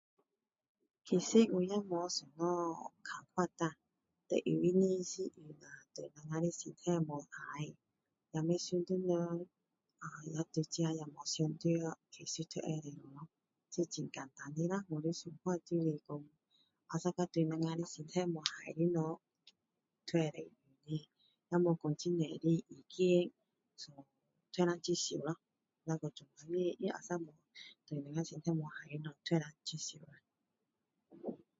其实我没有什么看法啦最重要的是对我们的身体没有害也不会伤到人对自己也没有伤到其实就可以了这很简单的啦我想法就是说对我们身体没有害的东西也没有说很多的意见都能接受咯asal 说对我们身体没有害的东西都能接受的